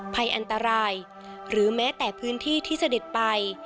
ภัยอันตรายหรือแม้แต่พื้นที่ที่เสด็จไป